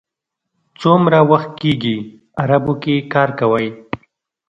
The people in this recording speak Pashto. څومره وخت کېږي عربو کې کار کوئ.